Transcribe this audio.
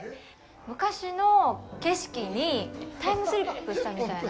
昔の景色にタイムスリップしたみたいな。